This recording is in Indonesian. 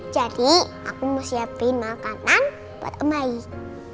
jadi aku mau siapin makanan buat om baik